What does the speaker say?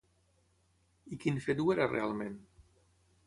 I quin fet ho era realment?